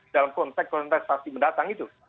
dalam konteks kontestasi mendatang itu